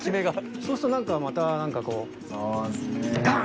そうすると何かまた何かこうガン！